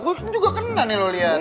gue kan juga kena nih lo liat